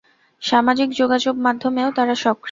সামাজিক যোগাযোগমাধ্যমেও তাঁরা সক্রিয়।